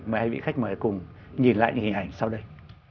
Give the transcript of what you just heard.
mời hai vị khách mời cùng nhìn lại hình ảnh sau đây